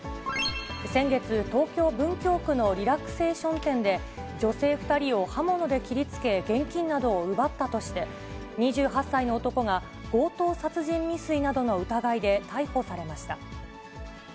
先月、東京・文京区のリラクセーション店で、女性２人を刃物で切りつけ、現金などを奪ったとして、２８歳の男が強盗殺人未遂などの疑いで逮捕されました。